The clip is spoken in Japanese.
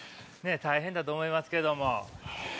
大変だと思いますけども。